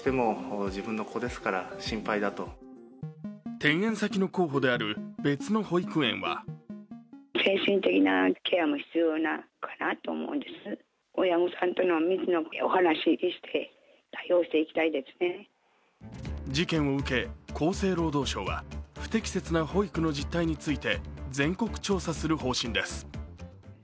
転園先の候補である別の保育園は事件を受け厚生労働省は、不適切な保育の実態について全国調査する方針です。